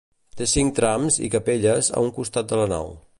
Té cinc trams i capelles a un costat de la nau.